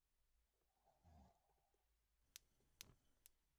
دواړه تصويرونه د يوه سړي وو هغه پخپله و.